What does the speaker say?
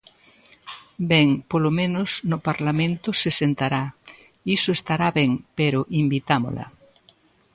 Ben, polo menos no Parlamento se sentará, iso estará ben, pero invitámola.